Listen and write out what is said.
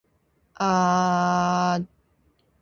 天子の威光と恩恵が四方八方に広くゆきわたること。